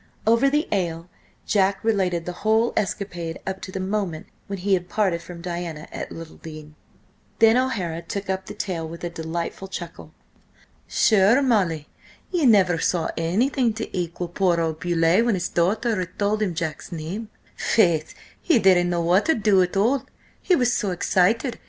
Over the ale Jack related the whole escapade up to the moment when he had parted from Diana at Littledean. Then O'Hara took up the tale with a delightful chuckle. "Sure, Molly, ye never saw anything to equal poor old Beauleigh when his daughter had told him Jack's name! Faith, he didn't know what to do at all, he was so excited!